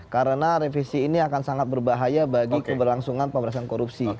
karena revisi ini akan sangat berbahaya bagi keberlangsungan pemerintahan korupsi